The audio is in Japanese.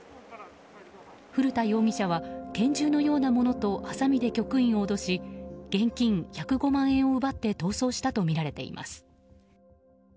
古田容疑者は拳銃のようなものとはさみで局員を脅し現金１０５万円を奪って逃走したとみられています。